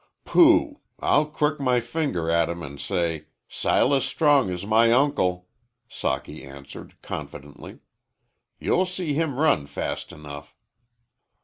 "Pooh! I'll crook my finger to him an' say, 'Sile Strong is my uncle,'" Socky answered, confidently. "You'll see him run fast enough."